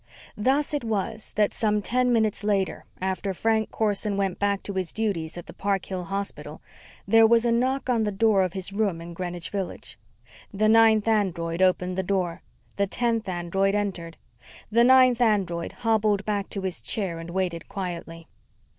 Thus it was that some ten minutes after Frank Corson went back to his duties at the Park Hill Hospital, there was a knock on the door of his room in Greenwich Village. The ninth android opened the door. The tenth android entered. The ninth android hobbled back to his chair and waited quietly.